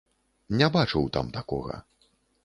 Не бачыў там такога.